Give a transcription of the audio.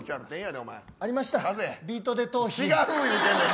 違う言うてるねん。